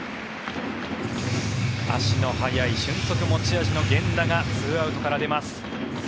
足の速い俊足が持ち味の源田が２アウトから出ます。